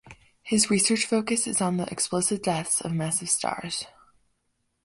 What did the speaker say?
His research focus is on the explosive deaths of massive stars.